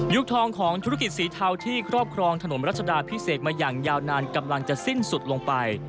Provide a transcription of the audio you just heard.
ทองของธุรกิจสีเทาที่ครอบครองถนนรัชดาพิเศษมาอย่างยาวนานกำลังจะสิ้นสุดลงไป